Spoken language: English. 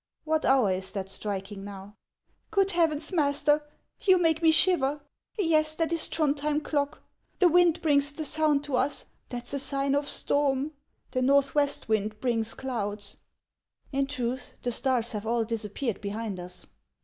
" What hour is that striking now ?"" Good heavens, master ! you make me shiver. Yes, that is Throndhjem clock ; the wind brings the sound to us. That 's a sign of storm. The northwest wind brings clouds." " In truth, the stars have all disappeared behind us."